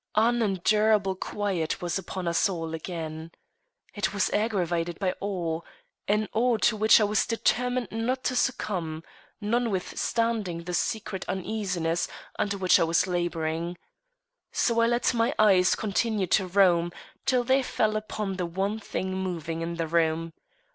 Unendurable quiet was upon us all again. It was aggravated by awe an awe to which I was determined not to succumb, notwithstanding the secret uneasiness under which I was laboring. So I let my eyes continue to roam, till they fell upon the one thing moving in the room.